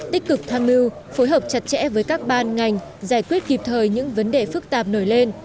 tích cực tham mưu phối hợp chặt chẽ với các ban ngành giải quyết kịp thời những vấn đề phức tạp nổi lên